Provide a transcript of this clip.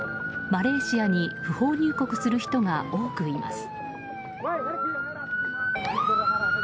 マレーシアに不法入国する人が多くいます。